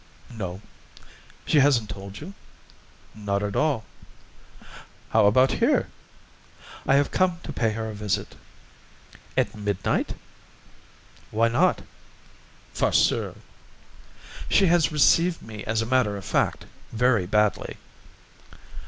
"No." "She hasn't told you?" "Not at all." "How are you here?" "I have come to pay her a visit." "At midnight?" "Why not?" "Farceur!" "She has received me, as a matter of fact, very badly."